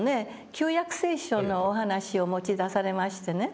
「旧約聖書」のお話を持ち出されましてね。